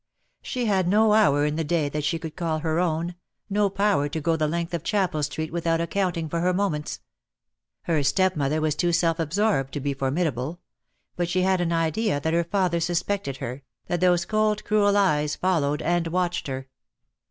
She had no hour in the day that she could call her own, no power to go the length of Chapel Street without accounting for her moments. Her stepmother was too self absorbed to be formidable; but she had an idea that her father suspected her, that those cold cruel eyes followed and watched her.